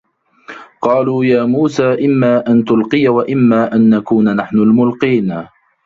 قالوا يا موسى إما أن تلقي وإما أن نكون نحن الملقين